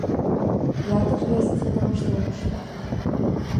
Ятыр рвезе тидым ыштен мошта.